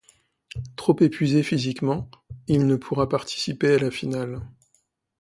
Trop épuisé physiquement, il ne pourra participer à la finale.